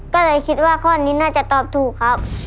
ก็เลยคิดว่าข้อนี้น่าจะตอบถูกครับ